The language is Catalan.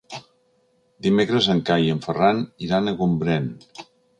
Dimecres en Cai i en Ferran iran a Gombrèn.